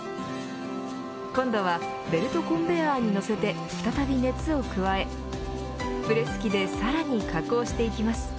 今度はベルトコンベヤーに乗せて再び熱を加えプレス機でさらに加工していきます。